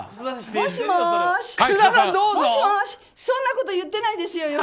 そんなこと言ってないですよ。